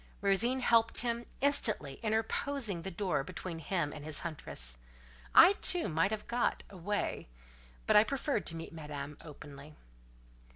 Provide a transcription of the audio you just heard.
Rosine helped him, instantly interposing the door between him and his huntress. I, too, might have got, away, but I preferred to meet Madame openly.